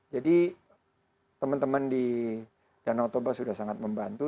jadi teman teman di danau toba sudah sangat membantu